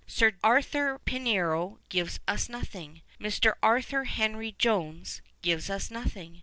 Sir Arthur Pinero gives us nothing. !\rr. Art Jnir Henry Jones gives us nothing.